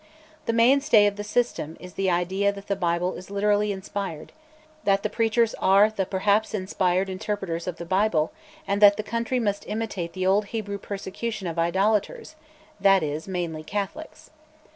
The mainstay of the system is the idea that the Bible is literally inspired; that the preachers are the perhaps inspired interpreters of the Bible, and that the country must imitate the old Hebrew persecution of "idolaters," that is, mainly Catholics.